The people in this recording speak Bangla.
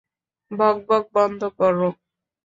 বকবক বন্ধ কর!